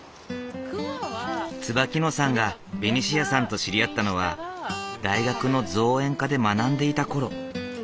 椿野さんがベニシアさんと知り合ったのは大学の造園科で学んでいた頃。